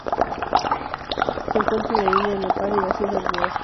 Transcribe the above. Se encuentra en la India, Nepal, y las islas de la Sonda.